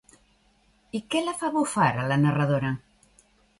I què la fa bufar a la narradora?